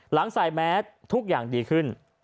ใส่แมสทุกอย่างดีขึ้น